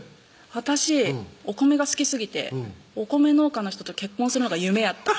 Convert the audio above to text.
私お米が好きすぎてお米農家の人と結婚するのが夢やった